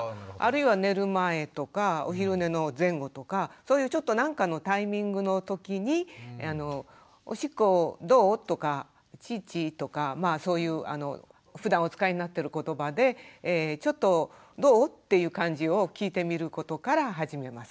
そういうちょっと何かのタイミングのときに「おしっこどう？」とか「チッチ」とかまあそういうふだんお使いになってる言葉で「ちょっとどう？」っていう感じを聞いてみることから始めます。